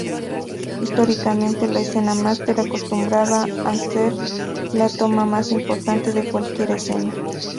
Históricamente, la escena máster acostumbraba a ser la toma más importante de cualquier escena.